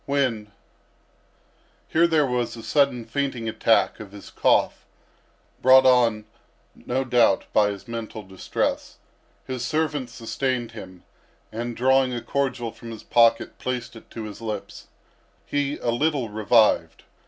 When—" Here there was a sudden fainting attack of his cough, brought on, no doubt, by his mental distress. His servant sustained him, and drawing a cordial from his pocket placed it to his lips. He a little revived.